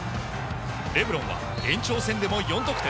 レブロンは延長戦でも４得点。